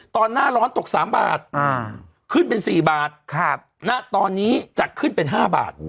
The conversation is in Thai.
ตอนหน้าร้อนตกสามบาทอ่าขึ้นเป็นสี่บาทครับณตอนนี้จะขึ้นเป็นห้าบาท